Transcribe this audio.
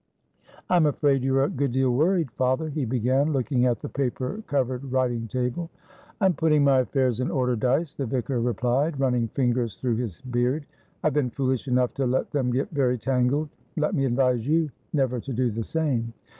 "I'm afraid you're a good deal worried, father," he began, looking at the paper covered writing table. "I'm putting my affairs in order, Dyce," the vicar replied, running fingers through his beard. "I've been foolish enough to let them get very tangled; let me advise you never to do the same.